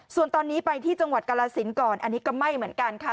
ส่วนตอนนี้ไปที่จังหวัดกาลสินก่อนอันนี้ก็ไม่เหมือนกันค่ะ